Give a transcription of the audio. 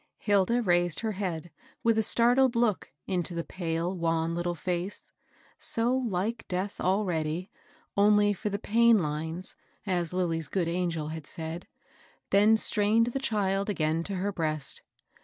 Hilda raised her head, with a startled look into the pale, wan little face, so like death already, only for the *' pain lines," as Lilly's "good angel " had said ; then strained the child again to her breast.